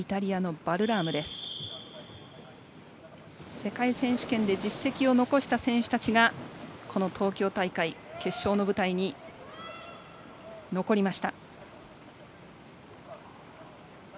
世界選手権で実績を残した選手たちがこの東京大会の決勝の舞台に残っています。